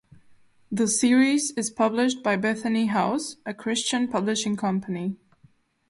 The series is published by Bethany House, a Christian publishing company.